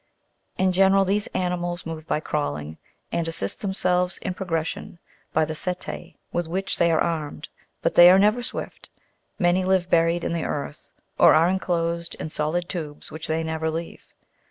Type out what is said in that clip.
In general these animals move by crawling, and assist themselves in progression by the setce with which they are armed, but they are never swift : many live buried in the earth, or are enclosed in solid tubes which they never leave.